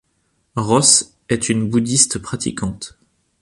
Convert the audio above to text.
Ross est une bouddhiste pratiquante.